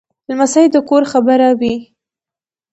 لمسی د کور خبره وي.